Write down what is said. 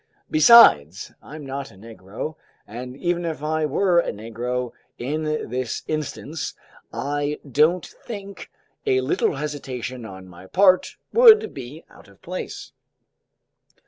Besides, I'm not a Negro, and even if I were a Negro, in this instance I don't think a little hesitation on my part would be out of place."